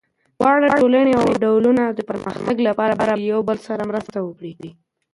دواړه ټولني او ډلونه د پرمختګ لپاره باید یو بل سره مرسته وکړي.